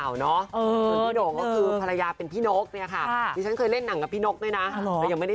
อันนี้บ้านพี่เขาจะร้อนกันแล้วนะ